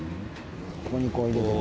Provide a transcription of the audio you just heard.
ここにこう入れて。